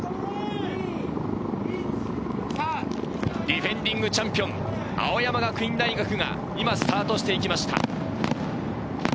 ディフェンディングチャンピオン青山学院大学が今、スタートしていきました。